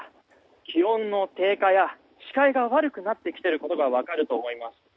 気温の低下や視界が悪くなってきていることが分かると思います。